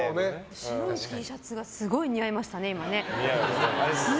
白いＴシャツがすごい似合いましたね、今。